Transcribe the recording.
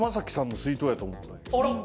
あら。